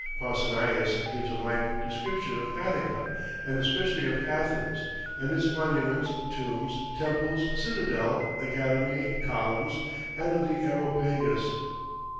Pausanias gives a minute description of Attica, and especially of Athens and its monuments, tombs, temples, citadel, academy, columns, and of the Areopagus.